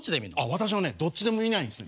私はねどっちでも見ないんです。